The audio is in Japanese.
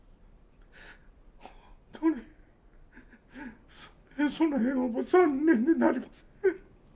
本当にその辺は残念でなりません。